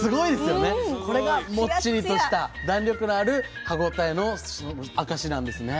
これがもっちりとした弾力のある歯応えの証しなんですね。